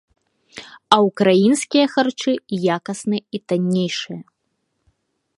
А ўкраінскія харчы і якасныя, і таннейшыя.